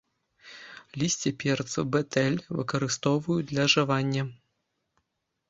Лісце перцу бетэль выкарыстоўваюць для жавання.